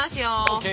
ＯＫ！